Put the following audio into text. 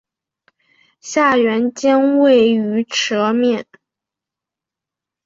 下原尖位于舌面。